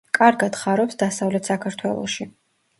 კარგად ხარობს დასავლეთ საქართველოში.